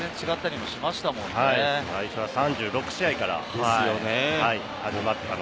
最初は３６試合からでした。